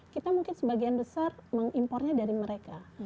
kita mungkin sebagian besar mengimpornya dari mereka